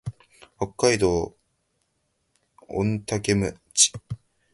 北海道雄武町